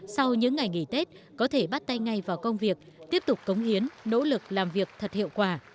sau những ngày nghỉ tết có thể bắt tay ngay vào công việc tiếp tục cống hiến nỗ lực làm việc thật hiệu quả